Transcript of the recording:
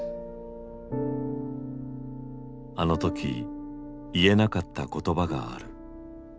あの時言えなかった言葉がある。